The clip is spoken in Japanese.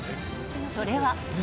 それは。